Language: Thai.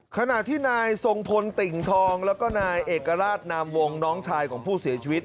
ขณะที่นายทรงพลติ่งทองแล้วก็นายเอกราชนามวงน้องชายของผู้เสียชีวิต